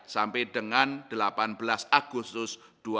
sampai dengan delapan belas agustus dua ribu dua puluh